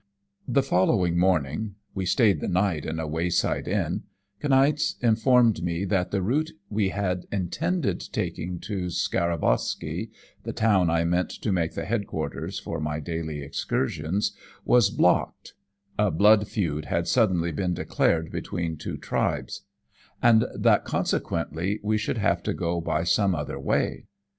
The following morning we stayed the night in a wayside inn Kniaz informed me that the route we had intended taking to Skaravoski the town I meant to make the head quarters for my daily excursions was blocked (a blood feud had suddenly been declared between two tribes), and that consequently we should have to go by some other way.